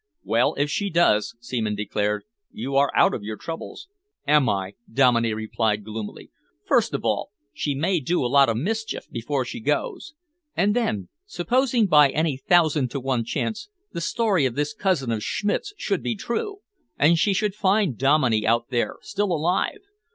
"Well, if she does," Seaman declared, "you are out of your troubles." "Am I!" Dominey replied gloomily. "First of all, she may do a lot of mischief before she goes. And then, supposing by any thousand to one chance the story of this cousin of Schmidt's should be true, and she should find Dominey out there, still alive?